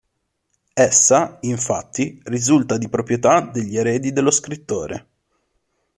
Essa, infatti, risulta di proprietà degli eredi dello scrittore.